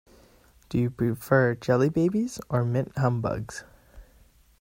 Do you prefer jelly babies or mint humbugs?